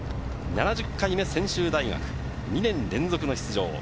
７０回目専修大学、２年連続の出場。